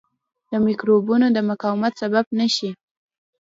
د مکروبونو د مقاومت سبب نه شي.